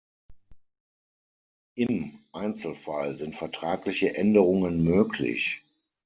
Im Einzelfall sind vertragliche Änderungen möglich.